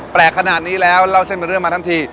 แปลกขนาดนี้แล้วเราเอาเส้นไปเรื่องมาทันที